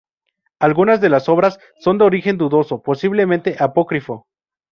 Algunas de las obras son de origen dudoso, posiblemente apócrifo.